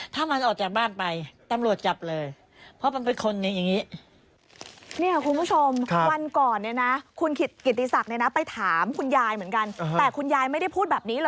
ถ้ามันออกจากบ้านไปตำรวจจับเลยเพราะมันเป็นคนอย่างนี้หรอ